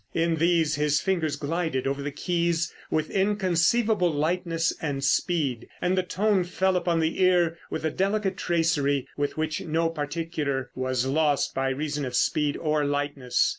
In these his fingers glided over the keys with inconceivable lightness and speed, and the tone fell upon the ear with a delicate tracery with which no particular was lost by reason of speed or lightness.